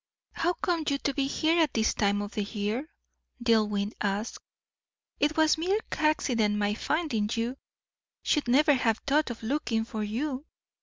"How come you to be here at this time of year?" Dillwyn asked. "It was mere accident my finding you. Should never have thought of looking for you.